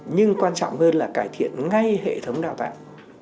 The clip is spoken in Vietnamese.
nhưng quan trọng hơn là cải thiện ngay hệ thống đào tạo